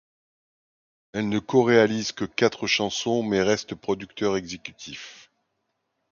Elle ne coréalise que quatre chansons mais reste producteur exécutif.